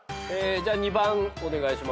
じゃあ２番お願いします。